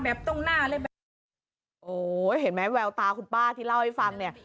แบบต้นหน้าเลยโอ้ยเห็นไหมแววตาคุณป้าที่เล่าให้ฟังเนี้ย